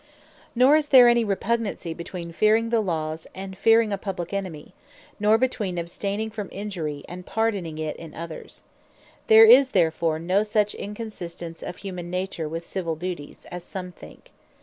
Nor is there any repugnancy between fearing the Laws, and not fearing a publique Enemy; nor between abstaining from Injury, and pardoning it in others. There is therefore no such Inconsistence of Humane Nature, with Civill Duties, as some think.